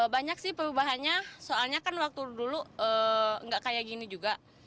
banyak sih perubahannya soalnya kan waktu dulu nggak kayak gini juga